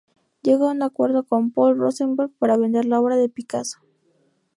Llegó a un acuerdo con Paul Rosenberg para vender la obra de Picasso.